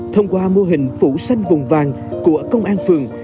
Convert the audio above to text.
thông qua mô hình phủ xanh vùng vàng của công an phường